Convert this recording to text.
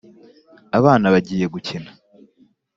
abana bagiye gukina